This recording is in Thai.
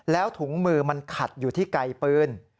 แล้วถุงมือมันขัดอยู่ที่ไกลปืน